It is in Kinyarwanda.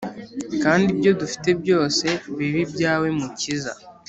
Kandi ibyo dufite byose bibe ibyawe mukiza